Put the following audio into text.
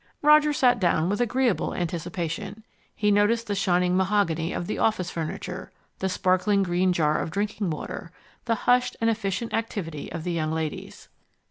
Roger sat down with agreeable anticipation. He noticed the shining mahogany of the office furniture, the sparkling green jar of drinking water, the hushed and efficient activity of the young ladies.